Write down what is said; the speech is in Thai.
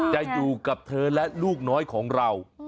จะอยู่กับเธอและลูกน้อยของเรา